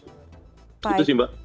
begitu sih mbak